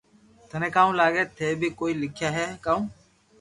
ٿني ڪاو لاگي ٿي بي ڪوئي لکيا ھي ڪاو